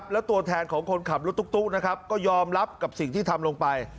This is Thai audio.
แล้วตัวแทนของคนขับรถตุ๊กนะครับก็ยอมรับกับสิ่งที่ทำลงไป